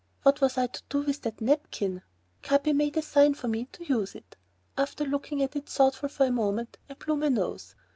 What was I to do with the napkin? Capi made a sign for me to use it. After looking at it thoughtfully for a moment, I blew my nose.